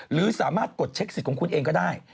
หรือสามารถกดเช็คสิทธิ์ของคุณเองก็ได้